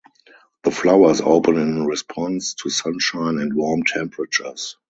The flowers open in response to sunshine and warm temperatures.